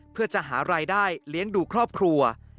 เพื่อจะหารายได้เลี้ยงดูครอบครัว